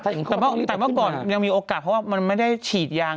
แต่เมื่อก่อนยังมีโอกาสเพราะว่ามันไม่ได้ฉีดยาง